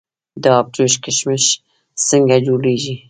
د ابجوش کشمش څنګه جوړیږي؟